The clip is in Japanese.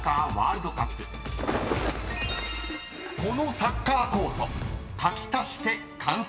サッカーコート？